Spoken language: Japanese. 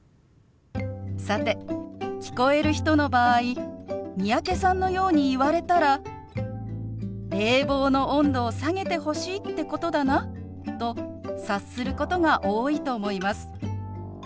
さて聞こえる人の場合三宅さんのように言われたら「冷房の温度を下げてほしいってことだな」と察することが多いと思います。